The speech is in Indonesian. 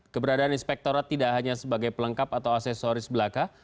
keberadaan inspektorat tidak hanya sebagai pelengkap atau aksesoris belaka